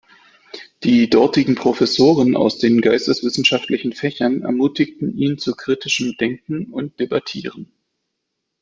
Die dortigen Professoren aus den geisteswissenschaftlichen Fächern ermutigten ihn zu kritischem Denken und debattieren.